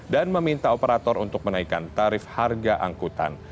dan meminta operator untuk menaikan tarif harga angkutan